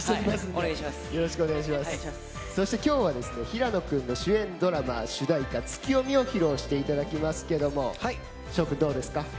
今日は平野君の主演ドラマ主題歌「ツキヨミ」を披露していただきますが紫耀君、どうですか？